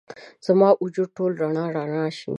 زما وجود ټوله رڼا، رڼا شي